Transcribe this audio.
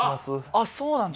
あっそうなんだ。